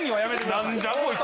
何じゃこいつ。